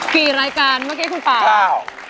กี่รายการเมื่อกี้คุณป่า